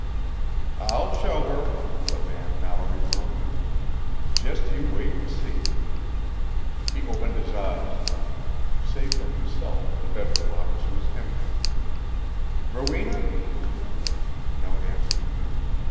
"I'll show her," the man Mallory murmured, "just you wait and see." He opened his eyes. Save for himself, the bedroom office was empty. "Rowena?" No answer.